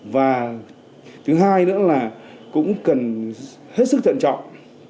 và thứ hai nữa là cũng cần hết sức thận trọng